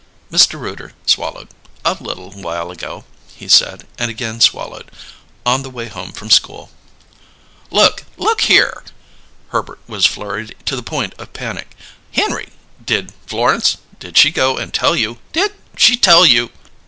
Mr. Rooter swallowed. "A little while ago," he said, and again swallowed. "On the way home from school." "Look look here!" Herbert was flurried to the point of panic. "Henry did Florence did she go and tell you did she tell you